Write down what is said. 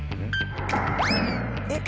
えっ？